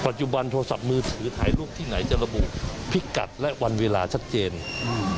จุบันโทรศัพท์มือถือถ่ายรูปที่ไหนจะระบุพิกัดและวันเวลาชัดเจนอืม